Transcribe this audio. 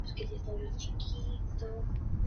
Su familia era originaria de Chihuahua.